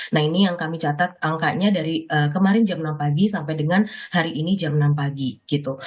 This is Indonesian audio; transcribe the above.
nah ini yang kami catat angkanya dari kemarin jam enam pagi sampai dengan hari ini jam enam pagi gitu